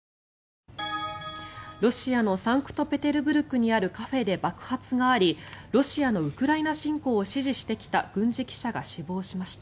ロシアのサンクトペテルブルクにあるカフェで爆発がありロシアのウクライナ侵攻を支持してきた軍事記者が死亡しました。